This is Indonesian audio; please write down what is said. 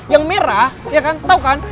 yang merah ya kan tau kan